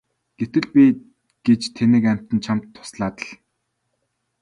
Гэтэл би гэж тэнэг амьтан чамд туслаад л!